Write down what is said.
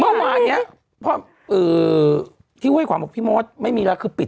เมื่อวานนี้พอที่เว้ยขวางบอกพี่มศมันไม่มีอะไรที่ปิด